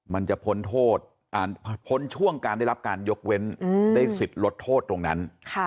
มันจะพ้นโทษพ้นช่วงการได้รับการยกเว้นได้สิทธิ์ลดโทษตรงนั้น